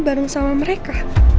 bareng sama mereka